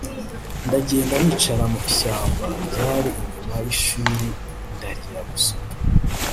ndagenda nicara mu ishyamba ryari inyuma y’ishuli ndarira gusa